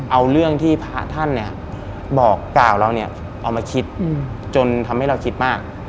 เอาเรื่องที่พระท่านเนี่ยบอกกล่าวเราเนี่ยเอามาคิดจนทำให้เราคิดมาก